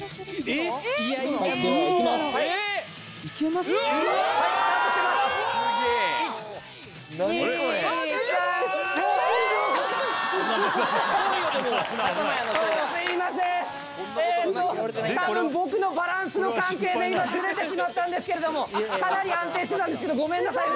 えっと多分僕のバランスの関係で今ずれてしまったんですけれどもかなり安定してたんですけどごめんなさい！